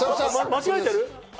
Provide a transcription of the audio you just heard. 間違えてる？